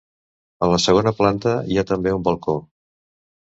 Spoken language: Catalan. A la segona planta hi ha també un balcó.